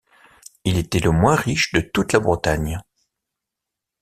Il était le moins riche de toute la Bretagne.